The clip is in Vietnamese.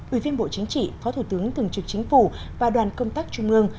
ủy viên bộ chính trị phó thủ tướng thường trực chính phủ và đoàn công tác trung ương